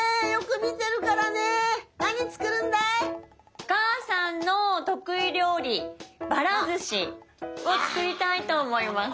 おかあさんの得意料理ばらずしを作りたいと思います。